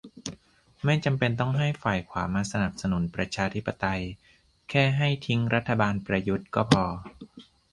ไม่จำเป็นต้องให้ฝ่ายขวามาสนับสนุนประชาธิปไตย แค่ให้ทิ้งรัฐบาลประยุทธ์ก็พอ